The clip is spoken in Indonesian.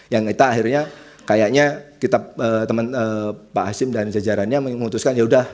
yang kita akhirnya kayaknya kita teman pak hasim dan jajarannya memutuskan yaudah